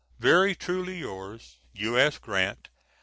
Very truly yours, U.S. GRANT.